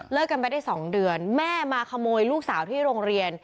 กันไปได้๒เดือนแม่มาขโมยลูกสาวที่โรงเรียน